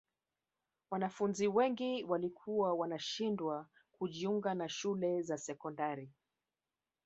wanafunzi wengi walikuwa wanashindwa kujiunga na shule za sekondari